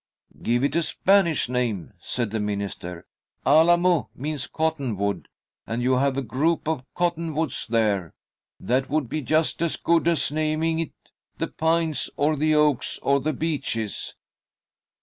"Give it a Spanish name," said the minister. "Alamo means cottonwood, and you have a group of cottonwoods there. That would be just as good as naming it The Pines, or The Oaks, or The Beeches."